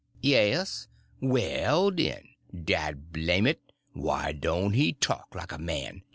"Yes." "Well, den! Dad blame it, why doan' he talk like a man?